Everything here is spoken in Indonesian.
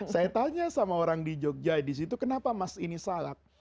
saya tanya sama orang di jogja disitu kenapa mas ini salak